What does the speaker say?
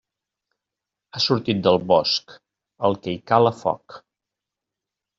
Ha sortit del bosc, el que hi cala foc.